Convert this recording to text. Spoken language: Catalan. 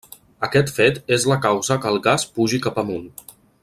Aquest fet és la causa que el gas pugi cap amunt.